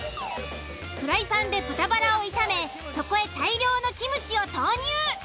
フライパンで豚バラを炒めそこへ大量のキムチを投入。